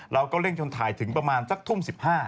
เราก็เร่งชนถ่ายถึงประมาณสักทุ่ม๑๕